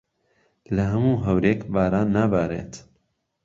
له ههموو ههورێک باران نابارێت